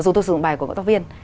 dù tôi sử dụng bài của ngõ tóc viên